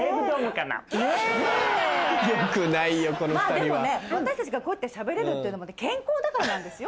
でもね私たちがこうやってしゃべれるのも健康だからなんですよ。